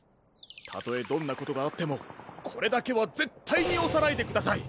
たとえどんなことがあってもこれだけはぜったいにおさないでください。